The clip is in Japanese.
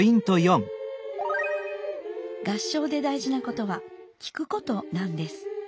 合唱で大事なことは聴くことなんです。